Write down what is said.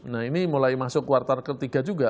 nah ini mulai masuk kuartal ketiga juga